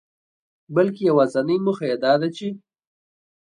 بلکي يوازنۍ موخه يې داده چي